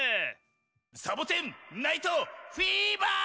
「サボテン・ナイト・フィーバー」！